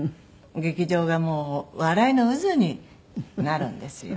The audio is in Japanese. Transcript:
劇場がもう笑いの渦になるんですよ。